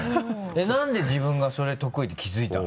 なんで自分がそれ得意って気づいたの？